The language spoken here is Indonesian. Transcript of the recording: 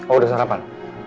oh udah sarapan